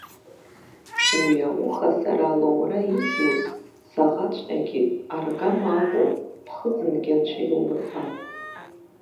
Уи ауха сара алоура изуз, саӷаҵәҟьагьы, аргама акәым, ԥхыӡынгьы анцәа иумырбан.